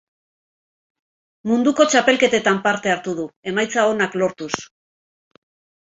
Munduko txapelketetan parte hartu du, emaitza onak lortuz.